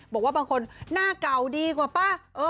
บางคนหน้าเก่าดีกว่าป่ะ